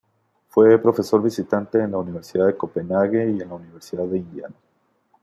Fue profesor visitante en la Universidad de Copenhague y en la Universidad de Indiana.